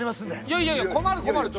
いやいやいや困る困る。